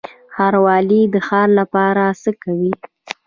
ښاروالي د ښار لپاره څه کوي؟